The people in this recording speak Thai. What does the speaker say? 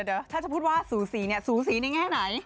เดี๋ยวถ้าจะพูดว่าสูสีเนี่ยสูสีในแง่ไหน